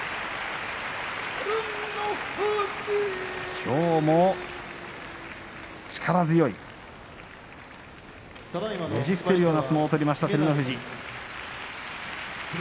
きょうも力強いねじ伏せるような相撲を取りました、照ノ富士。